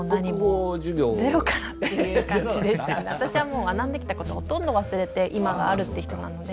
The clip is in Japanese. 私はもう学んできた事ほとんど忘れて今があるって人なので。